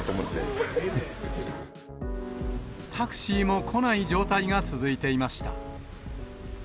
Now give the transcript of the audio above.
タクシーも来ない状態が続いていました。